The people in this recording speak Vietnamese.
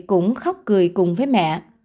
cũng khóc cười cùng với mẹ